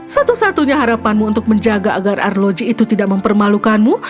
satu satunya harapanmu untuk menjaga agar arloji itu tidak mempermalukanmu